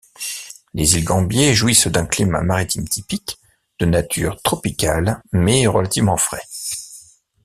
Les îles Gambier jouissent d'un climat maritime typique, de nature tropicale mais relativement frais.